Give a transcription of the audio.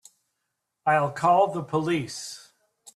I'll call the police.